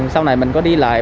sau này mình có đi lại